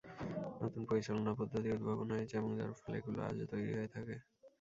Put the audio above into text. নতুন পরিচালনা পদ্ধতি উদ্ভাবন হয়েছে এবং যার ফলে এগুলো আজও তৈরি হয়ে থাকে।